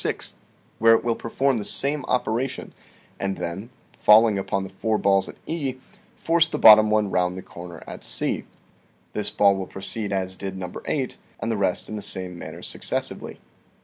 6), where it will perform the same operation, and then, falling upon the four balls at E, force the bottom one round the corner at C. This ball will proceed as did No. 8, and the rest in the same manner successively."